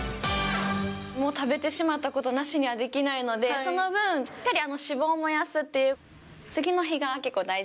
もう食べてしまったことなしにはできないので、その分、しっかり脂肪を燃やすという。